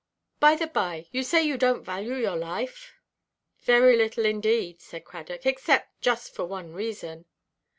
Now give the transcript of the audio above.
By–the–by, you say you donʼt value your life?" "Very little indeed," said Cradock, "except just for one reason."